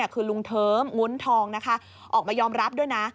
คือลุงเทิมงุ้นทองนะคะออกมายอมรับด้วยนะ